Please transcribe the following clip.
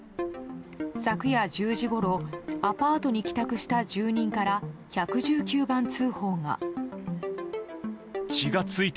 昨夜１０時ごろアパートに帰宅した住人から１１９番通報が。